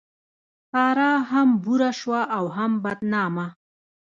سارا هم بوره شوه او هم بدنامه.